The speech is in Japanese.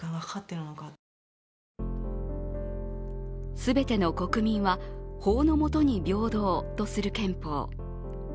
全ての国民は法の下に平等とする憲法。